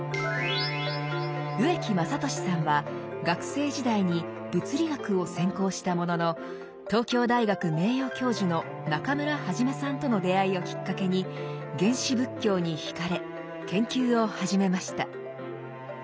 植木雅俊さんは学生時代に物理学を専攻したものの東京大学名誉教授の中村元さんとの出会いをきっかけに原始仏教に惹かれ研究を始めました。